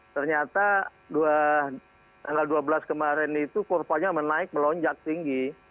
ternyata tanggal dua belas kemarin itu kurvanya menaik melonjak tinggi